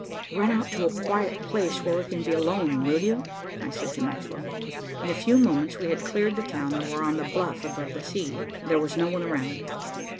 "Run out to a quiet place where we can be alone, will you?" I said to Maxwell. In a few moments we had cleared the town, and were on the bluff above the sea. There was no one around.